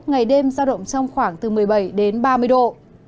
ngày đêm giao động trong khoảng từ một mươi bảy đến ba mươi độ